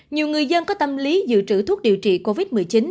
nhiều người dân có tâm lý dự trữ thuốc điều trị covid một mươi chín